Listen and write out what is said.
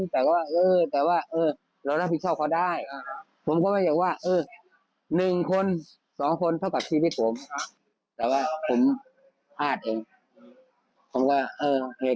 แต่ว่าเออแต่ว่าเรารับริชัลเป็นทางขวาได้